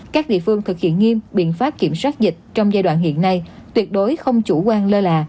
các địa phương thực hiện nghiêm biện pháp kiểm soát dịch trong giai đoạn hiện nay tuyệt đối không chủ quan lơ là